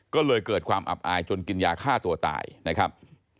ก็เลยเกิดความอับอายจนกินยาฆ่าตัวตายนะครับ